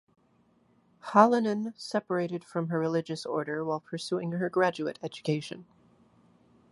Hallinan separated from her religious order while pursuing her graduate education.